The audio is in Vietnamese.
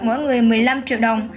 mỗi người một mươi năm triệu đồng